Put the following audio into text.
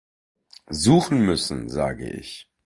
Suchen müssen, sage ich!